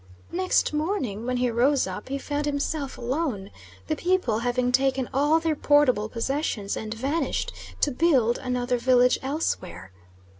Next morning, when he rose up, he found himself alone, the people having taken all their portable possessions and vanished to build another village elsewhere.